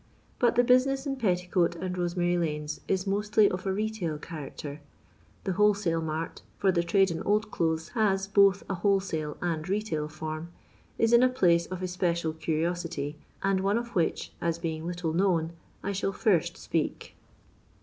But the business in Petticoat and Rosemary lanes is mostly of a retail character. The wholesale mart — for the trade in old clothes has both a wholesale and retail form — is in a place of especial curiosity, and one of which, as being little known, I shall first speak.